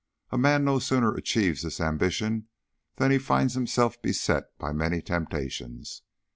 A man no sooner achieves this ambition than he finds himself beset by many temptations.